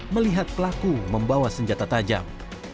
melihat pelaku membawa senjata tajam